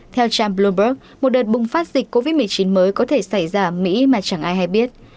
theo cham bloomberg một đợt bùng phát dịch covid một mươi chín mới có thể xảy ra ở mỹ mà chẳng ai hay biết